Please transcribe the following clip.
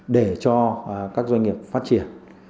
để cho các doanh nghiệp phát triển